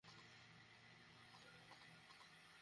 তাহলে অনেক আগেই ব্রায়ান লারা, শেন ওয়ার্নকে বাদ দিয়ে দেওয়ার কথা।